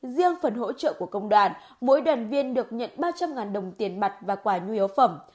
riêng phần hỗ trợ của công đoàn mỗi đoàn viên được nhận ba trăm linh đồng tiền mặt và quả nhu yếu phẩm